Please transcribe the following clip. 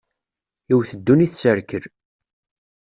Iwwet ddunit s rrkel.